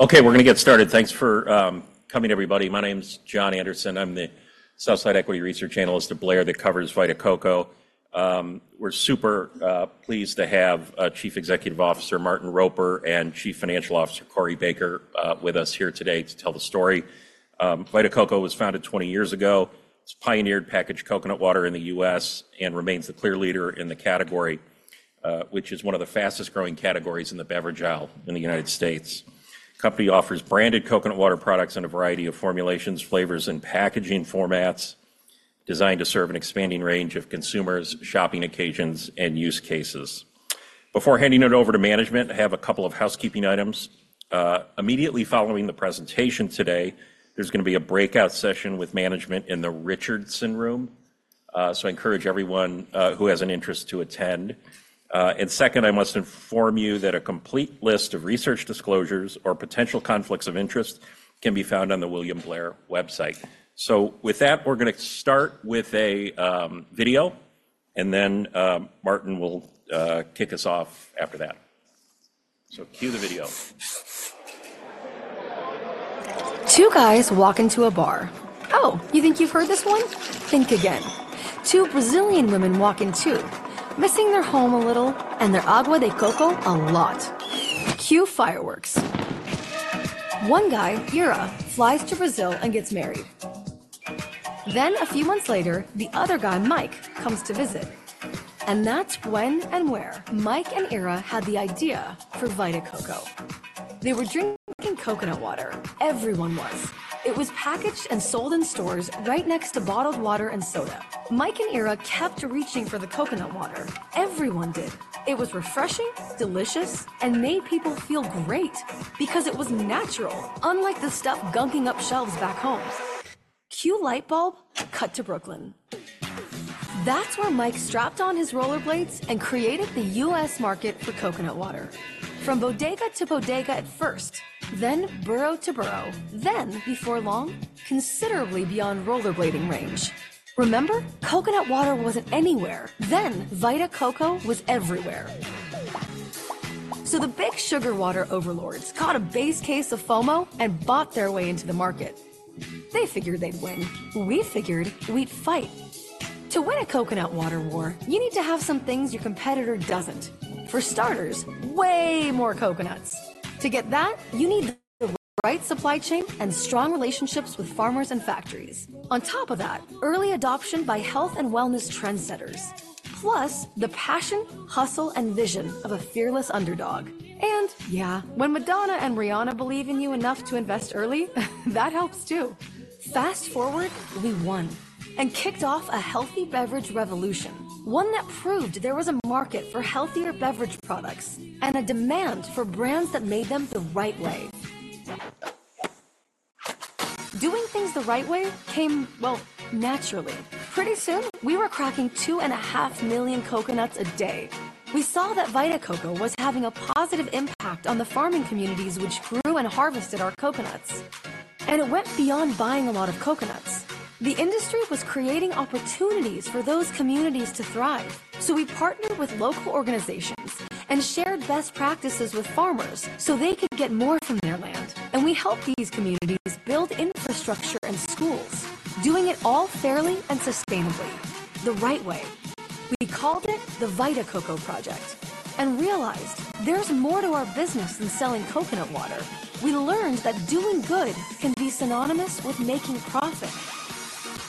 Okay, we're gonna get started. Thanks for coming, everybody. My name's Jon Andersen. I'm the sell-side equity research analyst at Blair that covers Vita Coco. We're super pleased to have Chief Executive Officer Martin Roper and Chief Financial Officer Corey Baker with us here today to tell the story. Vita Coco was founded 20 years ago. It's pioneered packaged coconut water in the U.S. and remains the clear leader in the category, which is one of the fastest-growing categories in the beverage aisle in the United States. Company offers branded coconut water products in a variety of formulations, flavors, and packaging formats, designed to serve an expanding range of consumers, shopping occasions, and use cases. Before handing it over to management, I have a couple of housekeeping items. Immediately following the presentation today, there's gonna be a breakout session with management in the Richardson Room. So I encourage everyone who has an interest to attend. Second, I must inform you that a complete list of research disclosures or potential conflicts of interest can be found on the William Blair website. So with that, we're gonna start with a video, and then Martin will kick us off after that. So cue the video. Two guys walk into a bar. Oh, you think you've heard this one? Think again. Two Brazilian women walk in, too, missing their home a little and their água de coco a lot. Cue fireworks. One guy, Ira, flies to Brazil and gets married. Then a few months later, the other guy, Mike, comes to visit, and that's when and where Mike and Ira had the idea for Vita Coco. They were drinking coconut water. Everyone was. It was packaged and sold in stores right next to bottled water and soda. Mike and Ira kept reaching for the coconut water. Everyone did. It was refreshing, delicious, and made people feel great because it was natural, unlike the stuff gunking up shelves back home. Cue light bulb, cut to Brooklyn. That's where Mike strapped on his rollerblades and created the U.S. market for coconut water. From bodega to bodega at first, then borough to borough, then, before long, considerably beyond rollerblading range. Remember, coconut water wasn't anywhere, then Vita Coco was everywhere. So the big sugar water overlords caught a base case of FOMO and bought their way into the market. They figured they'd win. We figured we'd fight. To win a coconut water war, you need to have some things your competitor doesn't. For starters, way more coconuts. To get that, you need the right supply chain and strong relationships with farmers and factories. On top of that, early adoption by health and wellness trendsetters, plus the passion, hustle, and vision of a fearless underdog. And, yeah, when Madonna and Rihanna believe in you enough to invest early, that helps, too. Fast-forward, we won and kicked off a healthy beverage revolution, one that proved there was a market for healthier beverage products and a demand for brands that made them the right way. Doing things the right way came, well, naturally. Pretty soon, we were cracking 2.5 million coconuts a day. We saw that Vita Coco was having a positive impact on the farming communities which grew and harvested our coconuts, and it went beyond buying a lot of coconuts. The industry was creating opportunities for those communities to thrive, so we partnered with local organizations and shared best practices with farmers so they could get more from their land, and we helped these communities build infrastructure and schools, doing it all fairly and sustainably, the right way. We called it the Vita Coco Project and realized there's more to our business than selling coconut water. We learned that doing good can be synonymous with making profit.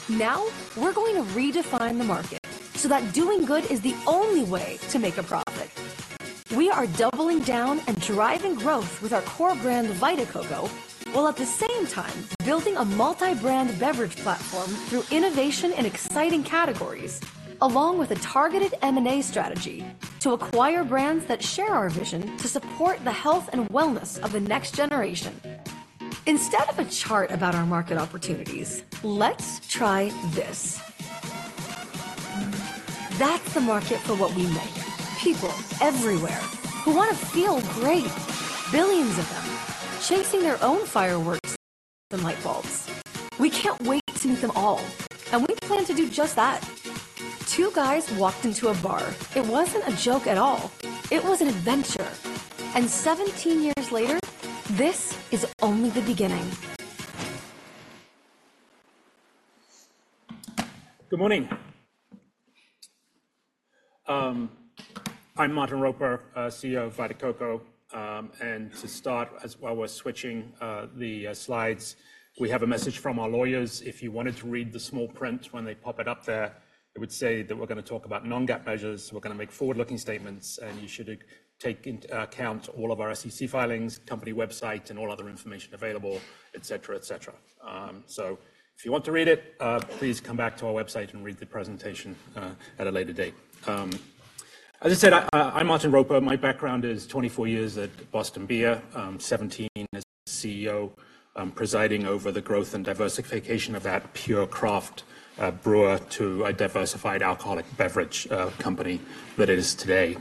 Now, we're going to redefine the market so that doing good is the only way to make a profit. We are doubling down and driving growth with our core brand, Vita Coco, while at the same time building a multi-brand beverage platform through innovation and exciting categories, along with a targeted M&A strategy to acquire brands that share our vision to support the health and wellness of the next generation. Instead of a chart about our market opportunities, let's try this. That's the market for what we make, people everywhere who wanna feel great, billions of them, chasing their own fireworks and light bulbs. We can't wait to meet them all, and we plan to do just that. Two guys walked into a bar. It wasn't a joke at all. It was an adventure, and 17 years later, this is only the beginning. Good morning. I'm Martin Roper, CEO of Vita Coco. To start, as while we're switching the slides, we have a message from our lawyers. If you wanted to read the small print when they pop it up there, it would say that we're gonna talk about non-GAAP measures, we're gonna make forward-looking statements, and you should take into account all of our SEC filings, company website, and all other information available, et cetera, et cetera. So if you want to read it, please come back to our website and read the presentation at a later date. As I said, I'm Martin Roper. My background is 24 years at Boston Beer, 17 as CEO, presiding over the growth and diversification of that pure craft brewer to a diversified alcoholic beverage company that it is today. ...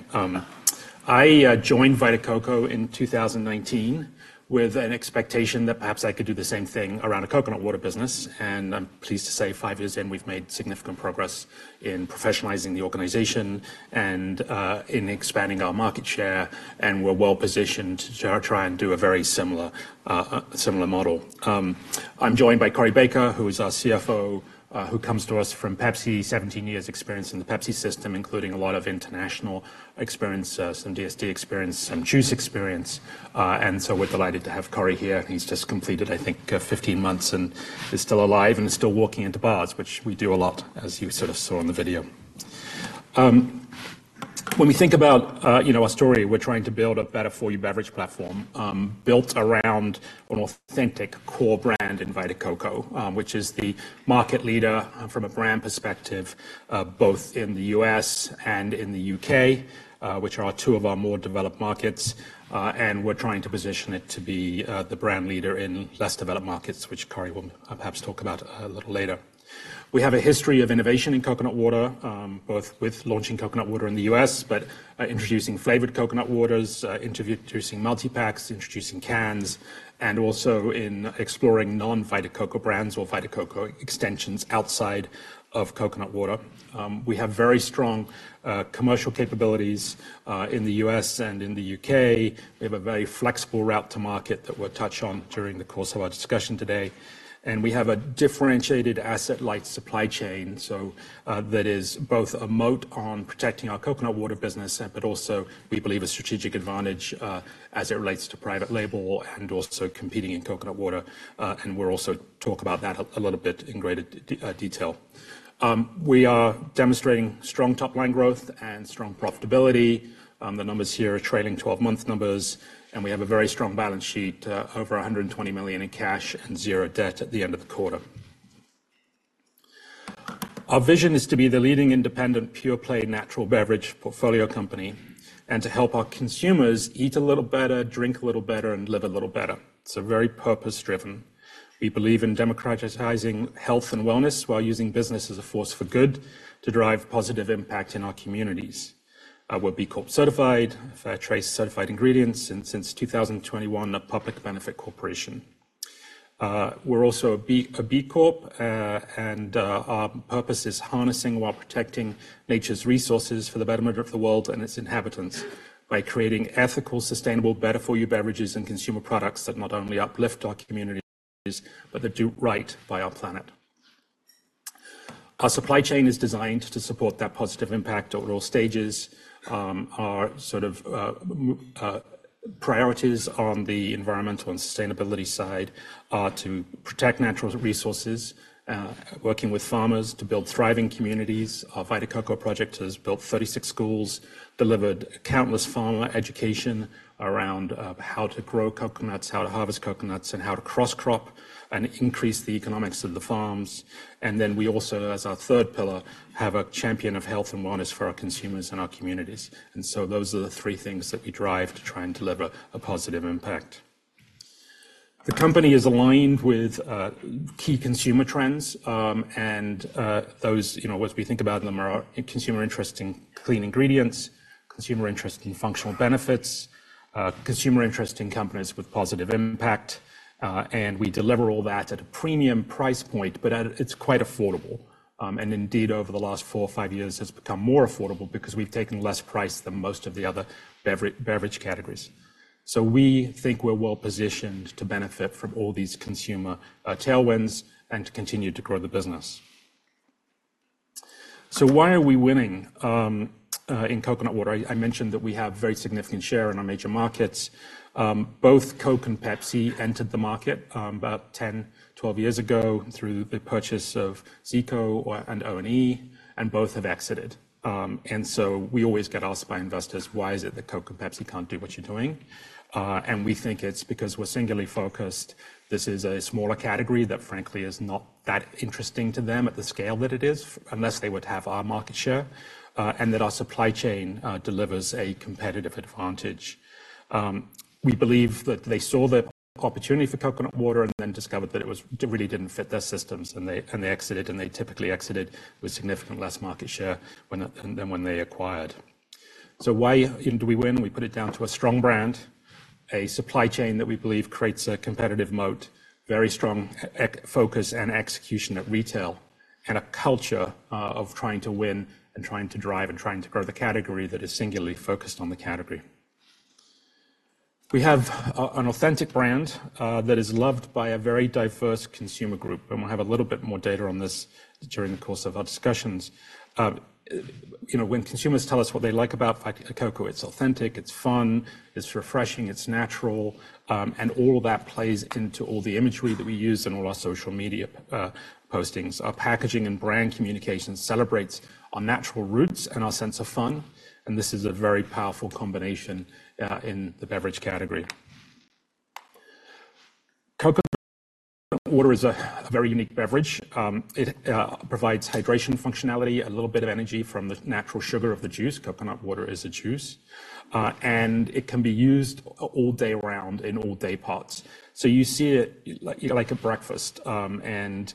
I joined Vita Coco in 2019 with an expectation that perhaps I could do the same thing around a coconut water business, and I'm pleased to say, 5 years in, we've made significant progress in professionalizing the organization and in expanding our market share, and we're well-positioned to try and do a very similar model. I'm joined by Corey Baker, who is our CFO, who comes to us from Pepsi. 17 years experience in the Pepsi system, including a lot of international experience, some DSD experience, some juice experience, and so we're delighted to have Corey here. He's just completed, I think, 15 months and is still alive and still walking into bars, which we do a lot, as you sort of saw in the video. When we think about, you know, our story, we're trying to build a better for you beverage platform, built around an authentic core brand in Vita Coco, which is the market leader from a brand perspective, both in the U.S. and in the U.K., which are two of our more developed markets, and we're trying to position it to be, the brand leader in less developed markets, which Corey will perhaps talk about a little later. We have a history of innovation in coconut water, both with launching coconut water in the U.S., but, introducing flavored coconut waters, introducing multi-packs, introducing cans, and also in exploring non-Vita Coco brands or Vita Coco extensions outside of coconut water. We have very strong, commercial capabilities, in the U.S. and in the U.K. We have a very flexible route to market that we'll touch on during the course of our discussion today, and we have a differentiated asset-light supply chain, so that is both a moat on protecting our coconut water business, but also, we believe, a strategic advantage as it relates to private label and also competing in coconut water. And we'll also talk about that a little bit in greater detail. We are demonstrating strong top-line growth and strong profitability. The numbers here are trailing 12-month numbers, and we have a very strong balance sheet, over $120 million in cash and 0 debt at the end of the quarter. Our vision is to be the leading independent, pure-play natural beverage portfolio company, and to help our consumers eat a little better, drink a little better, and live a little better. So very purpose-driven. We believe in democratizing health and wellness while using business as a force for good to drive positive impact in our communities. We're B Corp certified, Fair Trade certified ingredients, and since 2021, a public benefit corporation. We're also a B Corp, and our purpose is harnessing while protecting nature's resources for the betterment of the world and its inhabitants by creating ethical, sustainable, better for you beverages and consumer products that not only uplift our communities, but that do right by our planet. Our supply chain is designed to support that positive impact at all stages. Our priorities on the environmental and sustainability side are to protect natural resources, working with farmers to build thriving communities. Our Vita Coco project has built 36 schools, delivered countless farmer education around how to grow coconuts, how to harvest coconuts, and how to cross-crop and increase the economics of the farms. And then we also, as our third pillar, have a champion of health and wellness for our consumers and our communities. And so those are the three things that we drive to try and deliver a positive impact. The company is aligned with key consumer trends, and those, you know, as we think about them, are consumer interest in clean ingredients, consumer interest in functional benefits, consumer interest in companies with positive impact, and we deliver all that at a premium price point, but at, it's quite affordable. And indeed, over the last 4 or 5 years, has become more affordable because we've taken less price than most of the other beverage categories. So we think we're well-positioned to benefit from all these consumer tailwinds and to continue to grow the business. So why are we winning in coconut water? I mentioned that we have very significant share in our major markets. Both Coke and Pepsi entered the market about 10, 12 years ago through the purchase of ZICO or and O.N.E., and both have exited. And so we always get asked by investors, "Why is it that Coke and Pepsi can't do what you're doing?" And we think it's because we're singularly focused. This is a smaller category that, frankly, is not that interesting to them at the scale that it is, unless they were to have our market share, and that our supply chain delivers a competitive advantage. We believe that they saw the opportunity for coconut water and then discovered that it really didn't fit their systems, and they exited, and they typically exited with significant less market share when than when they acquired. So why do we win? We put it down to a strong brand, a supply chain that we believe creates a competitive moat, very strong e-commerce focus and execution at retail, and a culture of trying to win and trying to drive and trying to grow the category that is singularly focused on the category. We have an authentic brand that is loved by a very diverse consumer group, and we'll have a little bit more data on this during the course of our discussions. You know, when consumers tell us what they like about Vita Coco, it's authentic, it's fun, it's refreshing, it's natural, and all of that plays into all the imagery that we use in all our social media postings. Our packaging and brand communication celebrates our natural roots and our sense of fun, and this is a very powerful combination in the beverage category. Coconut water is a very unique beverage. It provides hydration functionality, a little bit of energy from the natural sugar of the juice. Coconut water is a juice, and it can be used all day round in all day parts. So you see it like a breakfast in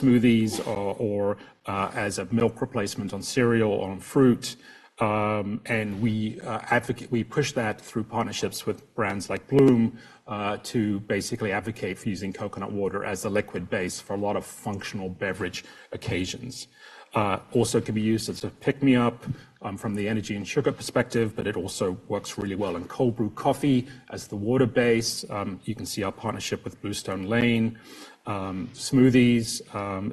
smoothies or as a milk replacement on cereal or on fruit. We advocate, we push that through partnerships with brands like Bloom to basically advocate for using coconut water as a liquid base for a lot of functional beverage occasions. Also can be used as a pick-me-up from the energy and sugar perspective, but it also works really well in cold brew coffee as the water base. You can see our partnership with Bluestone Lane. Smoothies,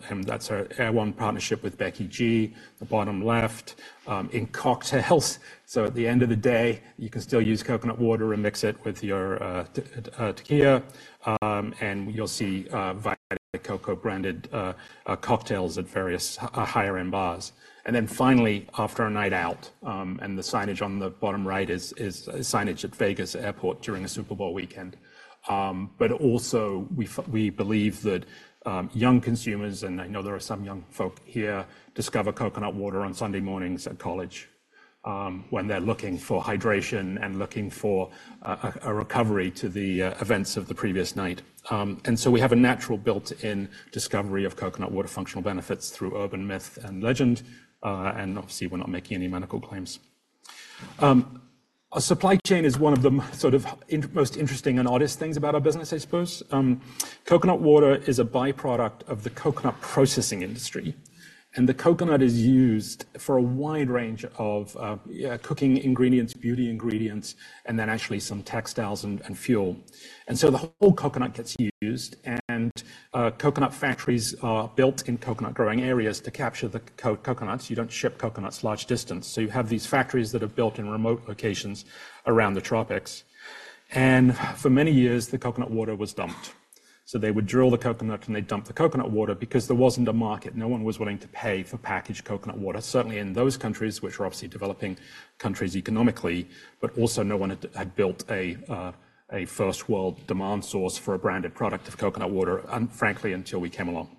and that's our Erewhon partnership with Becky G, the bottom left, in cocktails. So at the end of the day, you can still use coconut water and mix it with your tequila, and you'll see Vita Coco branded cocktails at various higher-end bars. And then finally, after a night out, and the signage on the bottom right is signage at Las Vegas Airport during a Super Bowl weekend. But also, we believe that young consumers, and I know there are some young folk here, discover coconut water on Sunday mornings at college, when they're looking for hydration and looking for a recovery to the events of the previous night. And so we have a natural built-in discovery of coconut water functional benefits through urban myth and legend, and obviously, we're not making any medical claims. Our supply chain is one of the sort of most interesting and oddest things about our business, I suppose. Coconut water is a by-product of the coconut processing industry, and the coconut is used for a wide range of cooking ingredients, beauty ingredients, and then actually some textiles and fuel. So the whole coconut gets used, and coconut factories are built in coconut-growing areas to capture the coconuts. You don't ship coconuts large distance, so you have these factories that are built in remote locations around the tropics. For many years, the coconut water was dumped. They would drill the coconut, and they'd dump the coconut water because there wasn't a market. No one was willing to pay for packaged coconut water, certainly in those countries, which are obviously developing countries economically, but also no one had built a first-world demand source for a branded product of coconut water, frankly, until we came along.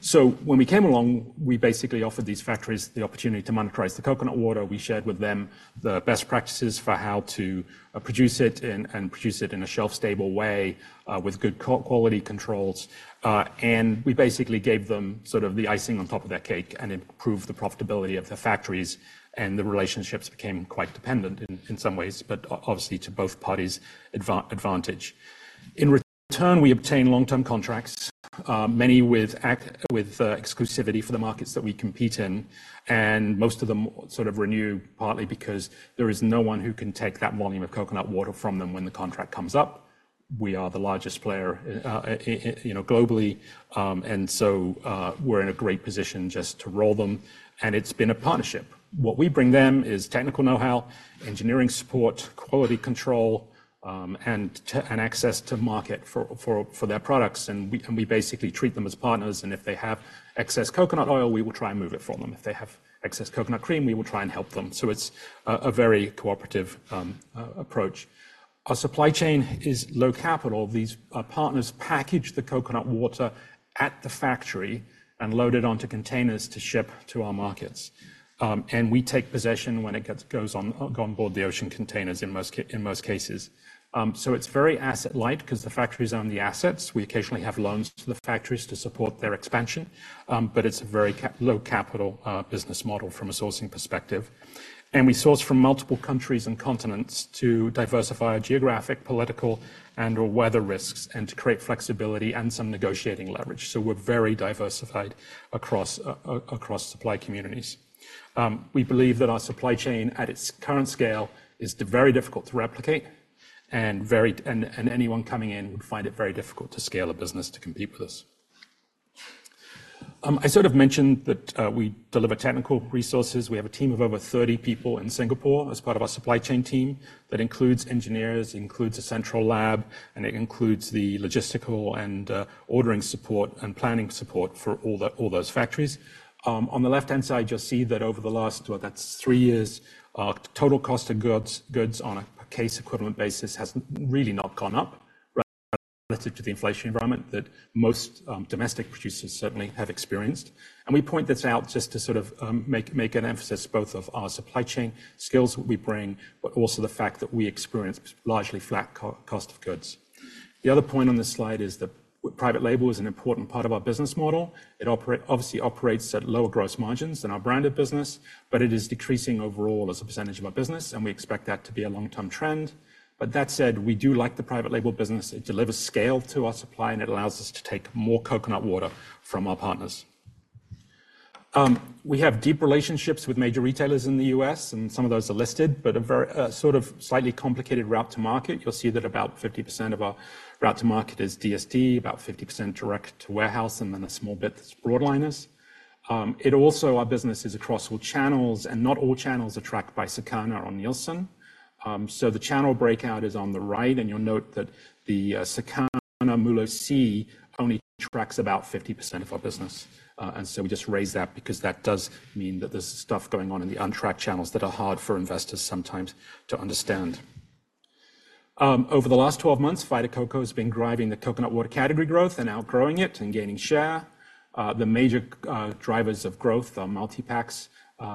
So when we came along, we basically offered these factories the opportunity to monetize the coconut water. We shared with them the best practices for how to produce it and produce it in a shelf-stable way with good quality controls. And we basically gave them sort of the icing on top of their cake and improved the profitability of the factories, and the relationships became quite dependent in some ways, but obviously to both parties' advantage. In return, we obtain long-term contracts, many with exclusivity for the markets that we compete in, and most of them sort of renew partly because there is no one who can take that volume of coconut water from them when the contract comes up. We are the largest player, you know, globally, and so, we're in a great position just to roll them, and it's been a partnership. What we bring them is technical know-how, engineering support, quality control, and access to market for their products, and we basically treat them as partners, and if they have excess coconut oil, we will try and move it from them. If they have excess coconut cream, we will try and help them. So it's a very cooperative approach. Our supply chain is low capital. These partners package the coconut water at the factory and load it onto containers to ship to our markets, and we take possession when it goes on board the ocean containers in most cases. So it's very asset-light 'cause the factories own the assets. We occasionally have loans to the factories to support their expansion, but it's a very low capital business model from a sourcing perspective. We source from multiple countries and continents to diversify our geographic, political, and/or weather risks and to create flexibility and some negotiating leverage, so we're very diversified across supply communities. We believe that our supply chain, at its current scale, is very difficult to replicate and very... Anyone coming in would find it very difficult to scale a business to compete with us. I sort of mentioned that we deliver technical resources. We have a team of over 30 people in Singapore as part of our supply chain team. That includes engineers, includes a central lab, and it includes the logistical and ordering support and planning support for all those factories. On the left-hand side, you'll see that over the last, well, that's 3 years, our total cost of goods on a case equivalent basis has really not gone up relative to the inflation environment that most domestic producers certainly have experienced. We point this out just to sort of make an emphasis both of our supply chain skills that we bring, but also the fact that we experience largely flat cost of goods. The other point on this slide is that private label is an important part of our business model. It operates, obviously, at lower gross margins than our branded business, but it is decreasing overall as a percentage of our business, and we expect that to be a long-term trend. But that said, we do like the private label business. It delivers scale to our supply, and it allows us to take more coconut water from our partners. We have deep relationships with major retailers in the US, and some of those are listed, but a very sort of slightly complicated route to market. You'll see that about 50% of our route to market is DSD, about 50% direct to warehouse, and then a small bit that's broadliners. It also, our business is across all channels, and not all channels are tracked by Circana or Nielsen. So the channel breakout is on the right, and you'll note that the Circana MULO+C only tracks about 50% of our business. And so we just raised that because that does mean that there's stuff going on in the untracked channels that are hard for investors sometimes to understand. Over the last 12 months, Vita Coco has been driving the coconut water category growth and outgrowing it and gaining share. The major drivers of growth are multipacks,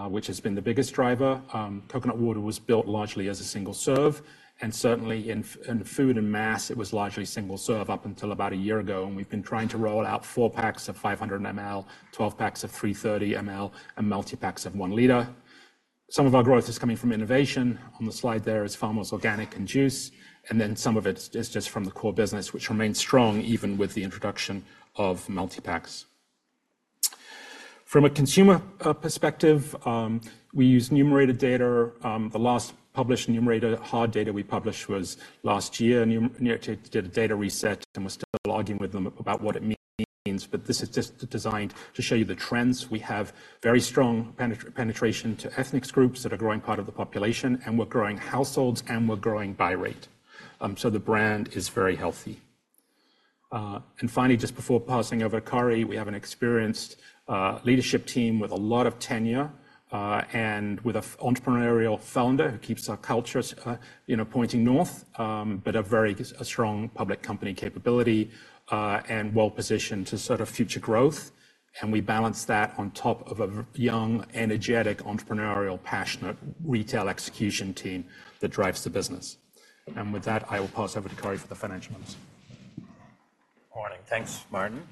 which has been the biggest driver. Coconut water was built largely as a single serve, and certainly in food and mass, it was largely single serve up until about a year ago, and we've been trying to roll out 4 packs of 500 ml, 12 packs of 330 ml, and multipacks of 1 L. Some of our growth is coming from innovation. On the slide there is Farmers Organic and Juice, and then some of it is just from the core business, which remains strong even with the introduction of multipacks. From a consumer perspective, we use Numerator data. The last published Numerator hard data we published was last year. Numerator did a data reset, and we're still logging with them about what it means, but this is just designed to show you the trends. We have very strong penetration to ethnic groups that are growing part of the population, and we're growing households, and we're growing buy rate. So the brand is very healthy. And finally, just before passing over to Corey, we have an experienced leadership team with a lot of tenure, and with an entrepreneurial founder who keeps our culture, you know, pointing north, but a very strong public company capability, and well-positioned to sort of future growth. And we balance that on top of a young, energetic, entrepreneurial, passionate, retail execution team that drives the business. And with that, I will pass over to Corey for the financial ones. Good morning. Thanks, Martin.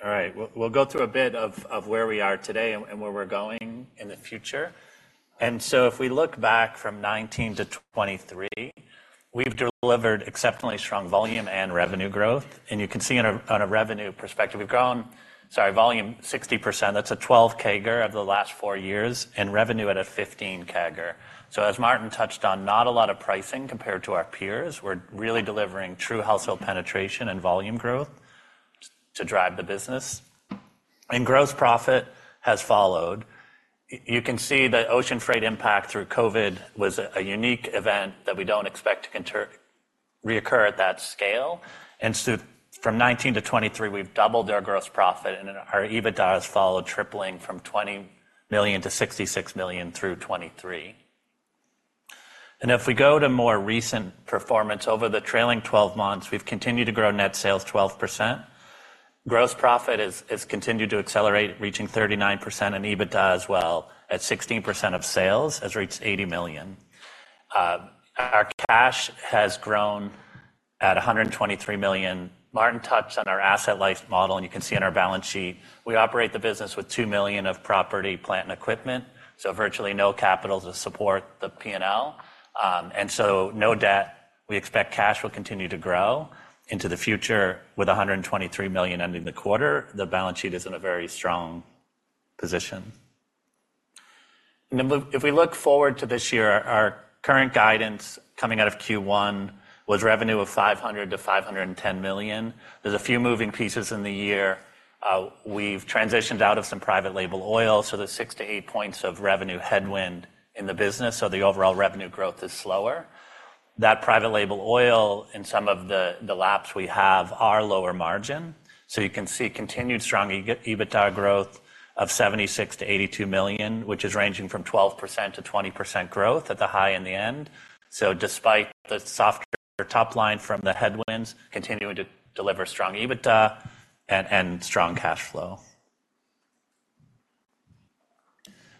All right, we'll, we'll go through a bit of, of where we are today and, and where we're going in the future. And so if we look back from 2019 to 2023, we've delivered exceptionally strong volume and revenue growth, and you can see on a, on a revenue perspective, we've grown... Sorry, volume, 60%. That's a 12% CAGR over the last four years and revenue at a 15% CAGR. So as Martin touched on, not a lot of pricing compared to our peers. We're really delivering true household penetration and volume growth to drive the business. And gross profit has followed. You can see the ocean freight impact through COVID was a, a unique event that we don't expect to reoccur at that scale. So from 2019 to 2023, we've doubled our gross profit, and then our EBITDA has followed, tripling from $20 million-$66 million through 2023. If we go to more recent performance, over the trailing twelve months, we've continued to grow net sales 12%. Gross profit is, has continued to accelerate, reaching 39% and EBITDA as well, at 16% of sales, has reached $80 million. Our cash has grown at $123 million. Martin touched on our asset-light model, and you can see on our balance sheet, we operate the business with $2 million of property, plant, and equipment, so virtually no capital to support the PNL. And so no debt. We expect cash will continue to grow into the future with $123 million ending the quarter. The balance sheet is in a very strong position. And if we, if we look forward to this year, our, our current guidance coming out of Q1 was revenue of $500 million-$510 million. There's a few moving pieces in the year. We've transitioned out of some private label oil, so there's six to eight points of revenue headwind in the business, so the overall revenue growth is slower. That private label oil in some of the, the laps we have are lower margin, so you can see continued strong EBITDA growth of $76 million-$82 million, which is ranging from 12%-20% growth at the high end. So despite the softer top line from the headwinds, continuing to deliver strong EBITDA and, and strong cash flow.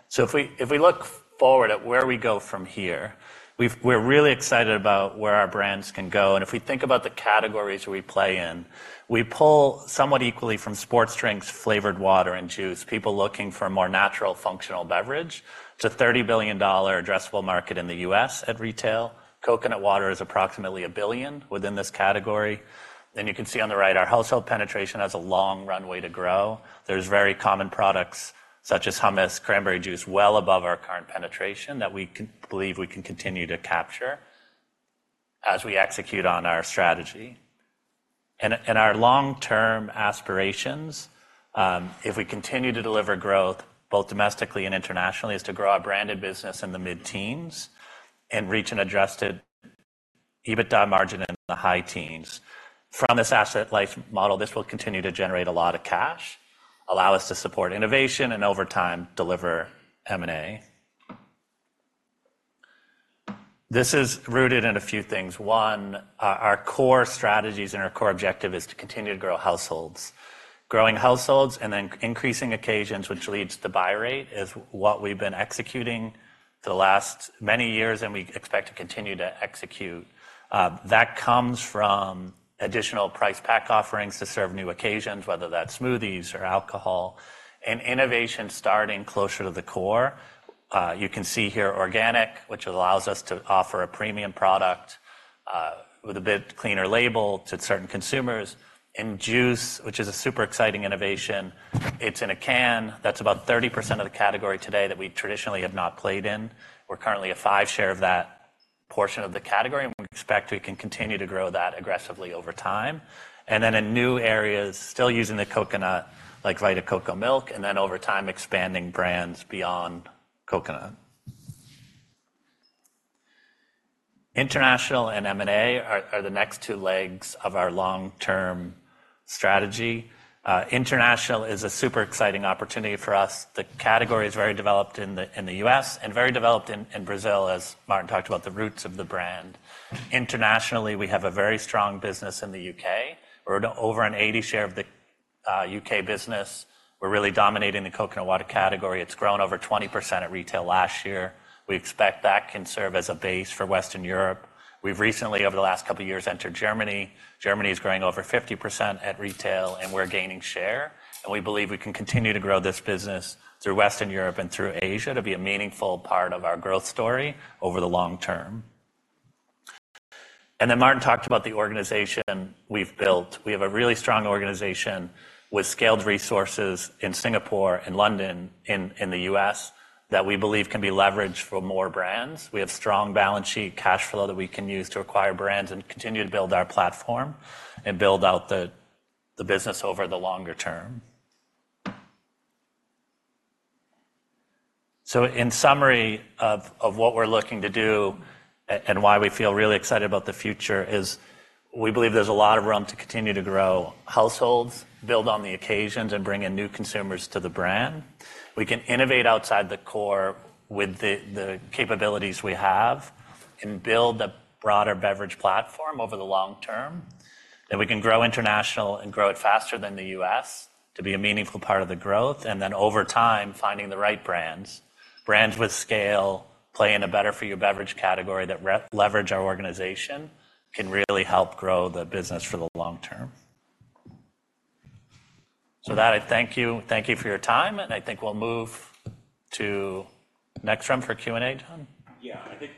So if we look forward at where we go from here, we're really excited about where our brands can go, and if we think about the categories we play in, we pull somewhat equally from sports drinks, flavored water, and juice. People looking for a more natural, functional beverage. It's a $30 billion addressable market in the U.S. at retail. Coconut water is approximately $1 billion within this category. Then you can see on the right, our household penetration has a long runway to grow. There's very common products such as hummus, cranberry juice, well above our current penetration that we believe we can continue to capture as we execute on our strategy. And our long-term aspirations, if we continue to deliver growth, both domestically and internationally, is to grow our branded business in the mid-teens and reach an adjusted EBITDA margin in the high teens. From this asset-light model, this will continue to generate a lot of cash, allow us to support innovation, and over time, deliver M&A. This is rooted in a few things. One, our core strategies and our core objective is to continue to grow households. Growing households and then increasing occasions, which leads to buy rate, is what we've been executing for the last many years, and we expect to continue to execute. That comes from additional price pack offerings to serve new occasions, whether that's smoothies or alcohol, and innovation starting closer to the core. You can see here organic, which allows us to offer a premium product with a bit cleaner label to certain consumers, and juice, which is a super exciting innovation. It's in a can that's about 30% of the category today that we traditionally have not played in. We're currently a 5% share of that portion of the category, and we expect we can continue to grow that aggressively over time. Then in new areas, still using the coconut, like Vita Coco Milk, and then over time, expanding brands beyond coconut. International and M&A are the next two legs of our long-term strategy. International is a super exciting opportunity for us. The category is very developed in the U.S. and very developed in Brazil, as Martin talked about the roots of the brand. Internationally, we have a very strong business in the U.K. We're at over an 80% share of the U.K. business. We're really dominating the coconut water category. It's grown over 20% at retail last year. We expect that can serve as a base for Western Europe. We've recently, over the last couple of years, entered Germany. Germany is growing over 50% at retail, and we're gaining share, and we believe we can continue to grow this business through Western Europe and through Asia to be a meaningful part of our growth story over the long term. And then Martin talked about the organization we've built. We have a really strong organization with scaled resources in Singapore and London, in the US, that we believe can be leveraged for more brands. We have strong balance sheet cash flow that we can use to acquire brands and continue to build our platform and build out the business over the longer term. So in summary of what we're looking to do and why we feel really excited about the future is we believe there's a lot of room to continue to grow households, build on the occasions, and bring in new consumers to the brand. We can innovate outside the core with the capabilities we have and build a broader beverage platform over the long term. That we can grow international and grow it faster than the U.S. to be a meaningful part of the growth, and then over time, finding the right brands. Brands with scale, play in a better-for-you beverage category that leverage our organization, can really help grow the business for the long term. With that, I thank you. Thank you for your time, and I think we'll move to the next room for Q&A. Tom? Yeah, I think we'll, we'll cut it there, and we'll move to the breakout room, which is the Richardson Room as well. Thank you.